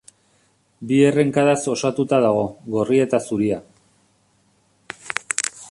Bi errenkadaz osatuta dago: gorria eta zuria.